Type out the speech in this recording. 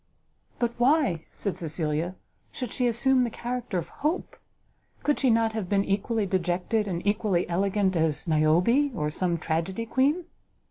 "But why," said Cecilia, "should she assume the character of Hope? Could she not have been equally dejected and equally elegant as Niobe, or some tragedy queen?"